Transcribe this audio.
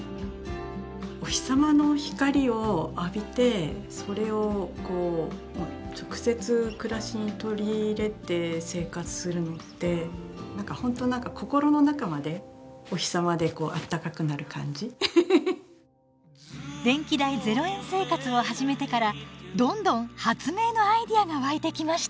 お日様の光を浴びてそれをこう直接暮らしに取り入れて生活するのって何かほんと何か電気代０円生活を始めてからどんどん発明のアイデアが湧いてきました！